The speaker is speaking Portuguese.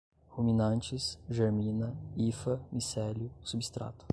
ruminantes, germina, hifa, micélio, substrato